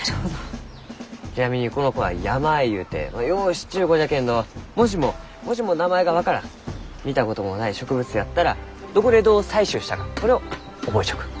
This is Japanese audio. ちなみにこの子はヤマアイゆうてよう知っちゅう子じゃけんどもしももしも名前が分からん見たこともない植物やったらどこでどう採集したかそれを覚えちょく。